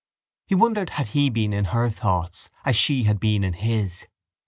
He wondered had he been in her thoughts as she had been in his.